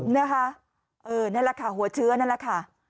นั่นแหละค่ะหัวเชื้อนั่นแหละค่ะ